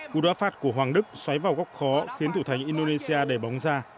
cú đá phạt của hoàng đức xoáy vào góc khó khiến thủ thánh indonesia đẻ bóng ra